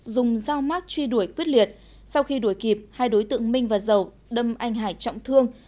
dùng dao mát truy đuổi quyết liệt sau khi đuổi kịp hai đối tượng minh và dầu đâm anh hải trọng thương